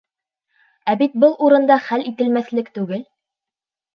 Ә бит был урында хәл ителмәҫлек түгел...